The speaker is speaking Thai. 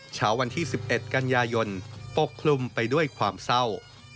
เช้าวันที่๑๑กันยายนปกคลุมไปด้วยความเศร้า